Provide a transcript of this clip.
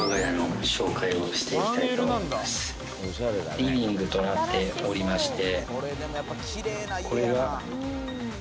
リビングとなっておりまして。